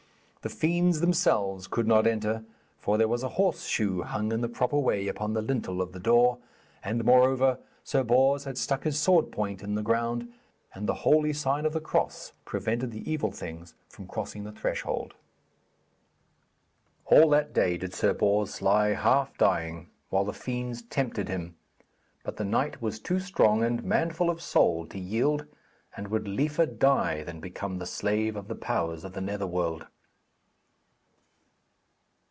The fiends themselves could not enter, for there was a horse shoe hung in the proper way upon the lintel of the door, and, moreover, Sir Bors had stuck his sword point in the ground, and the holy sign of the cross prevented the evil things from crossing the threshold. All that day did Sir Bors lie half dying, while the fiends tempted him, but the knight was too strong and manful of soul to yield, and would liefer die than become the slave of the powers of the Netherworld.